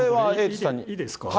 いいですか？